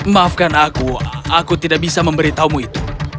maafkan aku aku tidak bisa memberitahumu itu